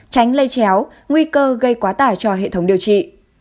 tránh lây chéo nguy cơ gây quá tải cho hệ thống điều trị